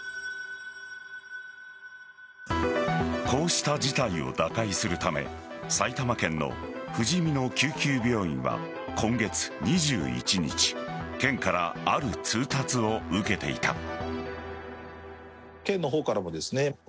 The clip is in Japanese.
こうした事態を打開するため埼玉県のふじみの救急病院は今月２１日県からある通達を受けていた。